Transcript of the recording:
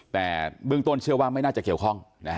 แต่เบื้องต้นเชื่อว่าไม่น่าจะเกี่ยวข้อง